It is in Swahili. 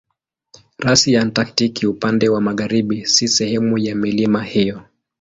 Rasi ya Antaktiki upande wa magharibi si sehemu ya milima hiyo.